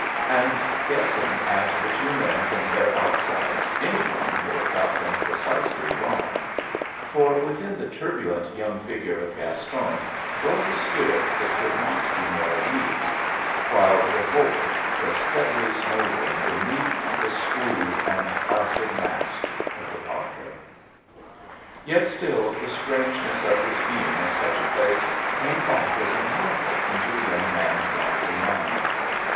And guessing at the two men from their outsides, any one would have got them precisely wrong; for within the turbulent young figure of Gaston dwelt a spirit that could not be more at ease, while revolt was steadily smouldering beneath the schooled and placid mask of the padre. Yet still the strangeness of his being at such a place came back as a marvel into the young man's lively mind.